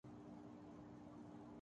باگ ڈور اب سائنس کے ہاتھ میں ھے